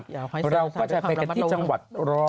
เรากระจกเป็นที่จังหวัด๑๐๑